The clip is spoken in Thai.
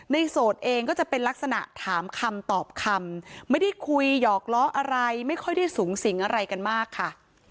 โสดเองก็จะเป็นลักษณะถามคำตอบคำไม่ได้คุยหยอกล้ออะไรไม่ค่อยได้สูงสิงอะไรกันมากค่ะ